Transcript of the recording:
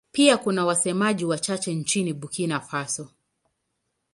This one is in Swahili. Pia kuna wasemaji wachache nchini Burkina Faso.